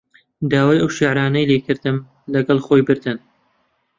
داوای ئەو شیعرانەی لێ کردم، لەگەڵ خۆی بردن